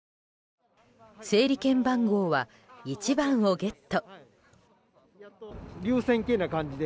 整理券番号は１番をゲット。